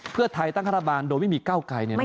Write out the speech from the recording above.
เพื่อไทยตั้งฆาตบาลโดยไม่มี๙ไกลเนี่ย